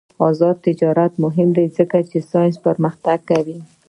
آزاد تجارت مهم دی ځکه چې ساینس پرمختګ کوي.